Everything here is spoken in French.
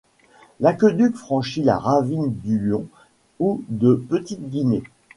L'aqueduc franchit la ravine du Lion ou de Petite Guinée.